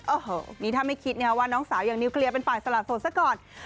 โอ้โหนี่ถ้าไม่คิดนะครับว่าน้องสาวอย่างนิวเคลียร์เป็นฝ่ายสละโสดซะก่อน